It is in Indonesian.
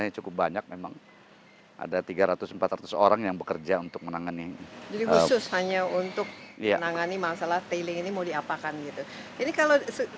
ini di bawah departemen environmental